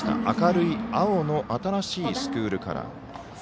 明るい青の新しいスクールカラー。